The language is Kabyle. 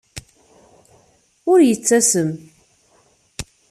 Ur yettasem.